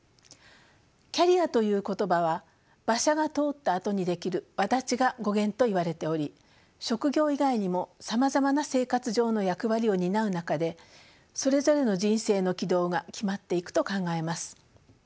キャリアという言葉は馬車が通ったあとに出来る轍が語源と言われており職業以外にもさまざまな生活上の役割を担う中でそれぞれの人生の軌道が決まっていくと考えます。